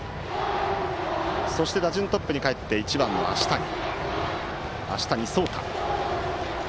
そして打順はトップにかえって１番の足谷蒼太。